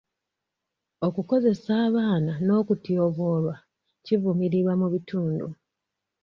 Okukozesa abaana n'okutyoboolwa kivumirirwa mu bitundu.